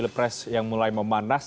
pilih pres yang mulai memanas